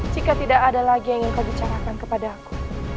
jika tidak ada lagi yang engkau bicarakan kepada aku